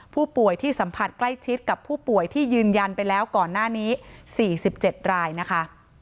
ผู้ป่วยที่สัมผัสใกล้ชิดกับผู้ป่วยที่ยืนยันไปแล้วก่อนหน้านี้๔๗รายนะคะ